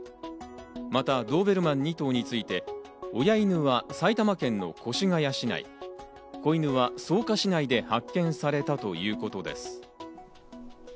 またドーベルマン２頭について、親犬は埼玉県の越谷市内、子犬は草加市内で発見されたということです。